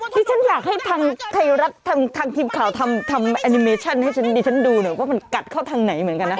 ที่ฉันอยากให้ทางไทยรัฐทางทีมข่าวทำแอนิเมชั่นให้ฉันดิฉันดูหน่อยว่ามันกัดเข้าทางไหนเหมือนกันนะคะ